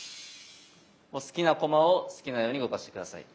お好きな駒を好きなように動かして下さい。